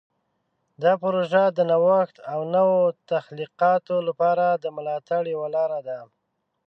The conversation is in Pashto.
دا پروژه د نوښت او نوو تخلیقاتو لپاره د ملاتړ یوه لاره ده.